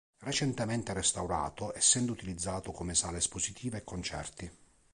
Recentemente restaurato essendo utilizzato come sala espositiva e concerti.